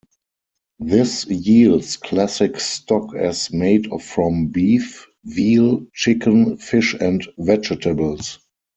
This yields classic stock as made from beef, veal, chicken, fish and vegetables.